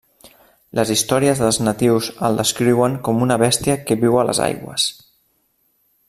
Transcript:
Les històries dels natius el descriuen com una bèstia que viu a les aigües.